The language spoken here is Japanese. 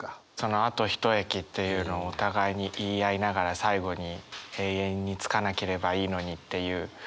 「あと一駅」っていうのをお互いに言い合いながら最後に「永遠に、着かなければいいのに」っていう。